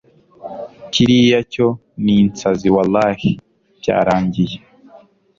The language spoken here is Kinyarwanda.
kiriya cyo ninsazi wallah byarangiye